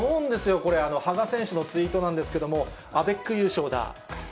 これ、羽賀選手のツイートなんですけれども、阿部ック優勝だ。